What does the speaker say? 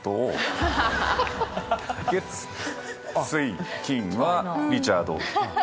月水金はリチャード。